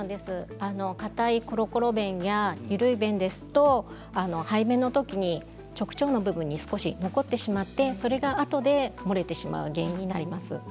硬いコロコロ便や緩い便ですと排便のときに直腸の部分に残ってしまって、それがあとで漏れてしまう原因になります。